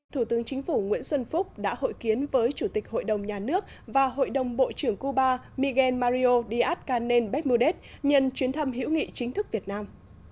thủ tướng chính phủ nguyễn xuân phúc đã hội kiến với chủ tịch hội đồng nhà nước và hội đồng bộ trưởng cuba miguel mario díaz canel becmudez nhân chuyến thăm hữu nghị chính thức việt nam